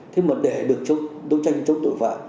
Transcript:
thế mà để được đấu tranh chống tội phạm